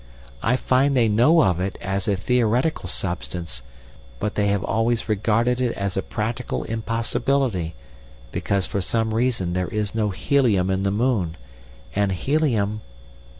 I find they know of it as a theoretical substance, but they have always regarded it as a practical impossibility, because for some reason there is no helium in the moon, and helium..."